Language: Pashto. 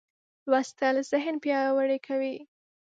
لوستل ذهن پیاوړی کوي.